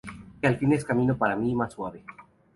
Que al fin es camino para mí más suave.